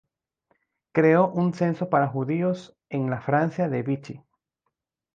Creó un censo para judíos en la Francia de Vichy.